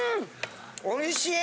おいしい！